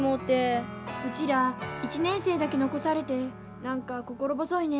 うちら１年生だけ残されて何か心細いね。